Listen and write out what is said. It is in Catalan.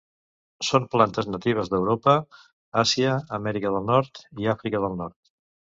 Són plantes natives d'Europa, Àsia, Amèrica del Nord, i Àfrica del Nord.